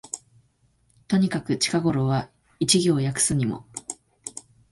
とにかく近頃は一行訳すにも、